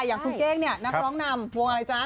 อย่างคุณเก้งเนี่ยนักร้องนำวงอะไรจ๊ะ